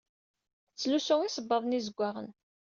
Tettlusu isebbaḍen izegzawen